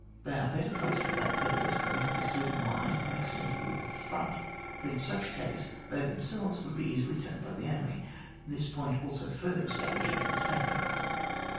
They are better placed for that purpose, than if they stood in line and extended the width of the front, for in such case they themselves would be easily turned by the enemy. This point also farther establishes the second.